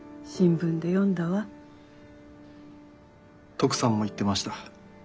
トクさんも言ってました。